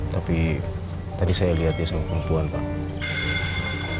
tapi tadi saya lihat dia seorang perempuan pak